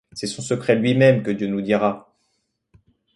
C’est son secret lui-même que Dieu nous dira!